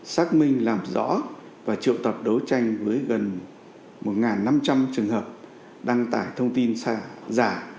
xác minh làm rõ và triệu tập đấu tranh với gần một năm trăm linh trường hợp đăng tải thông tin giả